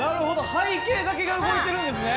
背景だけが動いてるんですね！